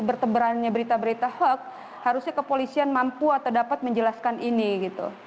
bertebarannya berita berita hoax harusnya kepolisian mampu atau dapat menjelaskan ini gitu